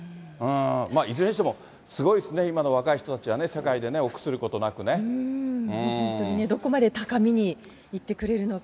まあ、いずれにしてもすごいですね、今の若い人たちはね、世界でね、本当にね、どこまで高みにいってくれるのか。